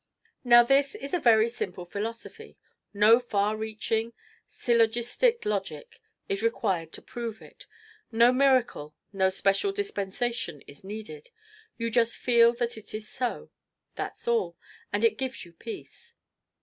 Now this is a very simple philosophy. No far reaching, syllogistic logic is required to prove it; no miracle, nor special dispensation is needed; you just feel that it is so, that's all, and it gives you peace.